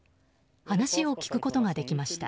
話を聞くことができました。